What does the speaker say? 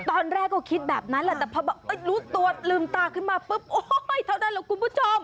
ตอนแรกก็คิดแบบนั้นแหละแต่พอรู้ตัวลืมตาขึ้นมาปุ๊บโอ๊ยเท่านั้นแหละคุณผู้ชม